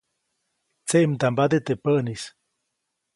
Tseʼmdambade teʼ päʼnis.